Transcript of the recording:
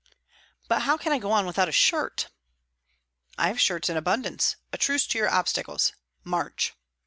"But how can I go on without a shirt?" "I have shirts in abundance. A truce to your obstacles. March!"